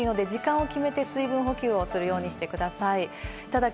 はい、暑いので時間を決めて水分補給をするようにしてください。